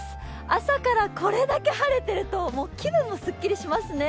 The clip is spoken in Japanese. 朝からこれだけ晴れてると、気分もすっきりしますね。